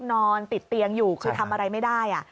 นอนติดเตียงอยู่คือทำอะไรไม่ได้